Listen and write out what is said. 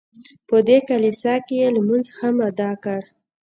په دې کلیسا کې یې لمونځ هم ادا کړ.